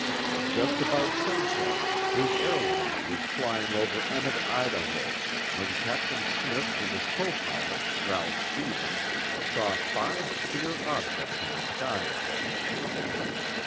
Just about sunset, his airliner was flying over Emmett, Idaho, when Captain Smith and his copilot, Ralph Stevens, saw five queer objects in the sky ahead.